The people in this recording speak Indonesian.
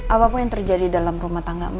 apapun yang terjadi dalam rumah tangga mbak